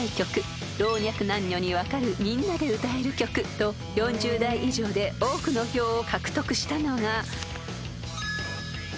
［と４０代以上で多くの票を獲得したのが］